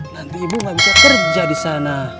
nanti ibu gak bisa kerja di sana